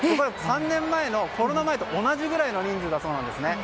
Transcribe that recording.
３年前、コロナ前と同じぐらいの人数だそうです。